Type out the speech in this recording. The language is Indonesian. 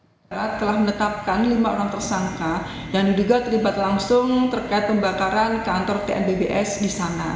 kita telah menetapkan lima orang tersangka yang diduga terlibat langsung terkait pembakaran kantor tnbbs di sana